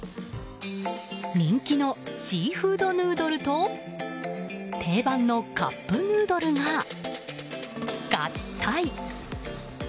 人気のシーフードヌードルと定番のカップヌードルが合体。